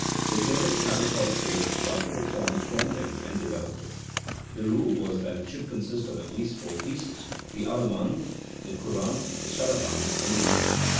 The German clavichord players adopted the form from them and developed it. The rule was that it should consist of at least four pieces, the allemande, the cou rante, the sarabande, and the gigue.